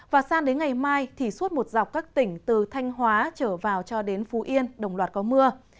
và sang đến ngày mai thì suốt một dọc các tỉnh từ thanh hóa trở vào cho đến phú yên đồng loạt có mưa